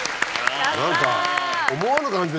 何か思わぬ感じで。